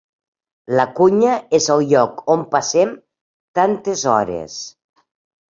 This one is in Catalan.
La cuina és el lloc on passem tantes hores.